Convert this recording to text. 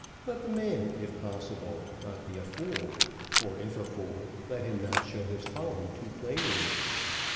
Let the man, if possible, not be a fool; or if a fool, let him not show his folly too plainly.